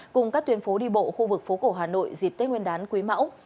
cùng các tuyến phố đi bộ khu vực phố cổ hà nội dịp tết nguyên đán quý mão